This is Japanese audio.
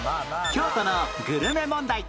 京都のグルメ問題